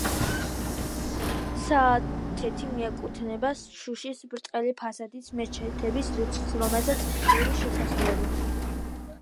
საათლის მეჩეთი მიეკუთვნება შუშის ბრტყელი ფასადის მეჩეთების რიცხვს, რომელსაც გააჩნია ასიმეტრიული შესასვლელი.